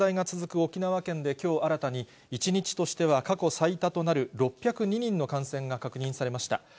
沖縄県できょう新たに、１日としては過去最多となる、６０２人の感染が確認されました。